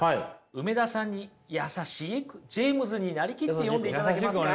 梅田さんに優しくジェイムズになりきって読んでいただけますか？